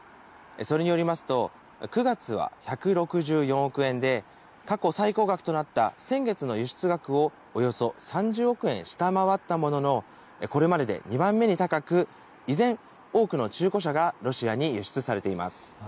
それによりますと、９月は１６４億円で、過去最高額となった先月の輸出額をおよそ３０億円下回ったものの、これまでで２番目に高く、依然多くの中古車がロシアに輸出されています。